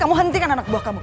kamu hentikan anak buah kamu